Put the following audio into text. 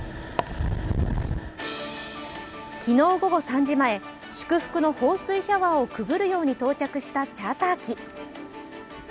昨日午後３時前、祝福の放水シャワーをくぐるように到着したチャーター機。